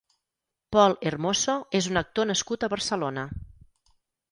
Pol Hermoso és un actor nascut a Barcelona.